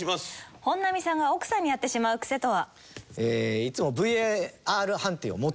本並さんが奥さんにやってしまうクセとは？